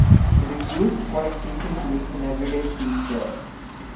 It is used quite frequently in everyday speech there.